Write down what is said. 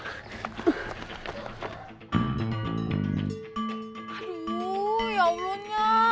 aduh ya allahnya